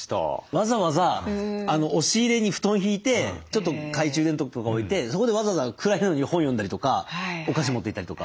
わざわざ押し入れに布団敷いてちょっと懐中電灯とか置いてそこでわざわざ暗いのに本読んだりとかお菓子持っていったりとか。